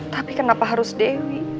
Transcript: tapi kenapa harus dewi